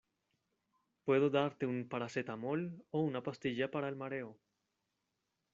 puedo darte un paracetamol o una pastilla para el mareo.